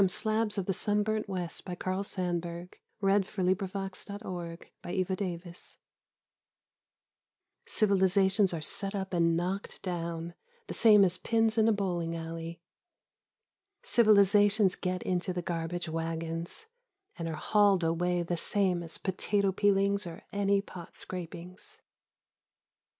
Slabs of the Sunburnt West 37 AT THE GATES OF TOMBS Civilizations are set up and knocked down the same as pins in a bowling alley. Civilizations get into the garbage wagons and are hauled away the same as potato peelings or any pot scrapings.